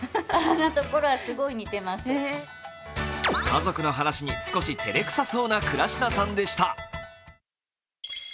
家族の話に少し照れくさそうな倉科さんでした。